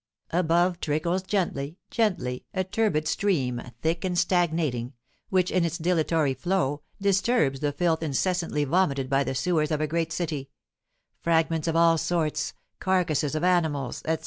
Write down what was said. Above trickles gently gently, a turbid stream, thick and stagnating, which, in its dilatory flow, disturbs the filth incessantly vomited by the sewers of a great city, fragments of all sorts, carcasses of animals, etc.